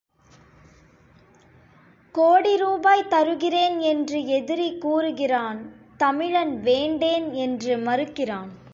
கோடி ரூபாய் தருகிறேன் என்று எதிரி கூறுகிறான் தமிழன் வேண்டேன் என்று மறுக்கிறான்.